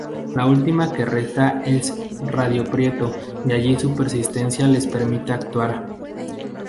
La última que resta es Radio Prieto y allí su persistencia les permite actuar.